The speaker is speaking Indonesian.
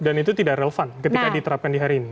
dan itu tidak relevan ketika diterapkan di hari ini